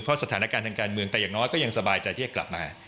เพราะสถานการณ์ทางการเมืองแต่อย่างน้อยก็ยังสบายใจที่จะกลับมา